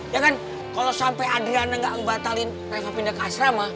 ya kan kalau sampai adriana nggak ngebatalin reva pindah ke asrama